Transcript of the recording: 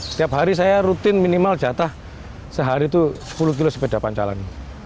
setiap hari saya rutin minimal jatah sehari itu sepuluh kilo sepeda pancalon